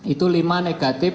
itu lima negatif